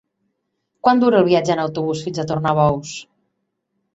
Quant dura el viatge en autobús fins a Tornabous?